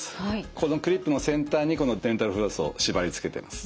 このクリップの先端にデンタルフロスを縛りつけてます。